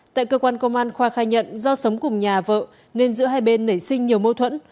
tại cơ quan công an khoa khai nhận do sống cùng nhà vợ nên giữa hai bên nảy sinh nhiều mâu thuẫn